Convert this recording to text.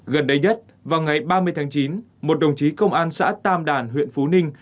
gần đây nhất vào ngày ba mươi tháng chín một đồng chí công an xã tam đàn huyện phú ninh